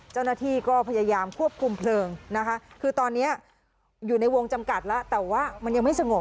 เจ้าหน้าที่ก็พยายามควบคุมเพลิงนะคะคือตอนนี้อยู่ในวงจำกัดแล้วแต่ว่ามันยังไม่สงบ